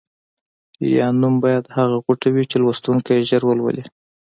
یا نوم باید هغه غوټه وي چې لوستونکی یې ژر ولولي.